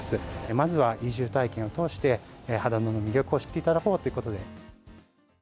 まずは移住体験を通して、秦野の魅力を知っていただこうということで。